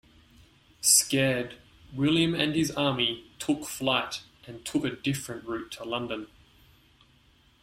Scared, William and his army took flight and took a different route to London.